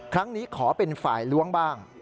ครั้งนี้ขอเป็นฝ่ายล้วงบ้าง